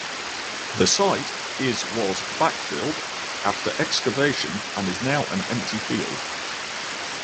The site is was backfilled after excavation and is now an empty field.